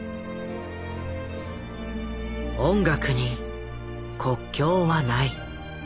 音楽に国境はない。